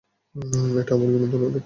এটা আমার বিনীত অনুরোধ।